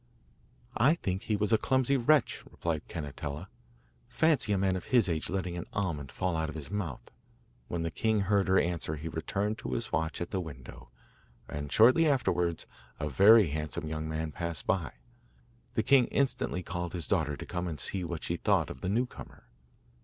'I think he was a clumsy wretch,' replied Cannetella. 'Fancy a man of his age letting an almond fall out of his mouth!' When the king heard her answer he returned to his watch at the window, and shortly afterwards a very handsome young man passed by. The king instantly called his daughter to come and see what she thought of the new comer.